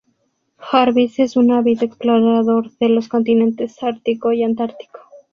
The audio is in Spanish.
Jarvis es un ávido explorador de los continentes ártico y antártico.